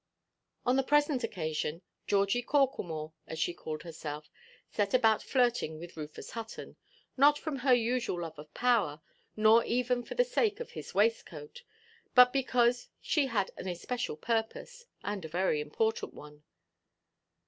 On the present occasion, "Georgie Corklemore," as she called herself, set about flirting with Rufus Hutton, not from her usual love of power, nor even for the sake of his waistcoat, but because she had an especial purpose, and a very important one.